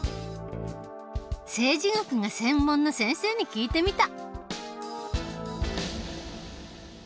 政治学が専門の先生に聞いてみた。